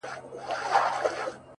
ز ماپر حا ل باندي ژړا مه كوه ـ